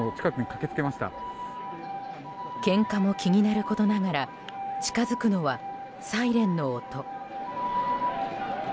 けんかも気になることながら近づくのはサイレンの音。